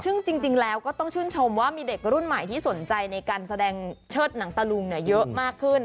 ซึ่งจริงแล้วก็ต้องชื่นชมว่ามีเด็กรุ่นใหม่ที่สนใจในการแสดงเชิดหนังตะลุงเยอะมากขึ้น